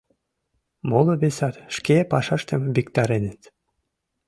Моло-весат шке пашаштым виктареныт.